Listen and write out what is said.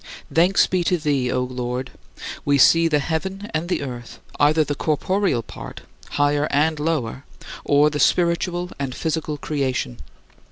Thanks be to thee, O Lord! We see the heaven and the earth, either the corporeal part higher and lower or the spiritual and physical creation.